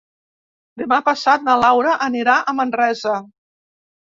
Demà passat na Laura anirà a Manresa.